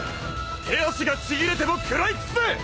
手足がちぎれても食らいつくぜ！